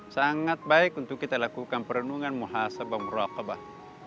sangat baik untuk kita lakukan perenungan muhasabah murakabah ⁇